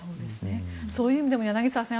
そういう意味でも柳澤さん